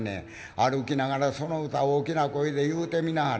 歩きながらその歌大きな声で言うてみなはれ。